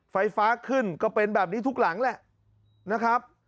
ไฟฟ้าขึ้นก็เป็นแบบนี้ทุกหลังแหละนะครับ